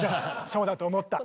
そうだと思った。